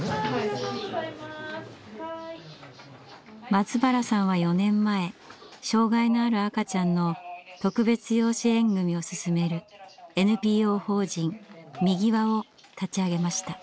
松原さんは４年前障害のある赤ちゃんの特別養子縁組をすすめるＮＰＯ法人みぎわを立ち上げました。